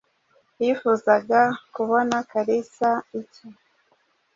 Wifuzaga kubona Kalisa iki?